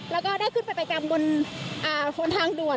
แล้วก็ได้ขึ้นไปไปกำบนทางด่วน